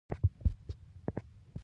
زه د رسنیو له لارې خلکو ته پیغام رسوم.